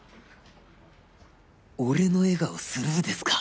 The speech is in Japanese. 俺の笑顔スルーですか